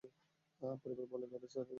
পরিবার বলে কথা, স্যার।